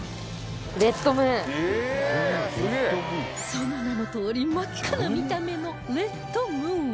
その名のとおり真っ赤な見た目のレッドムーン